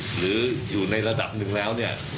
หรืออยู่ในระดับหนึ่งแล้วเนี่ย